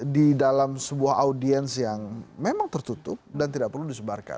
di dalam sebuah audiens yang memang tertutup dan tidak perlu disebarkan